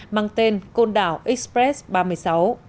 mang tên côn đảo express ba mươi sáu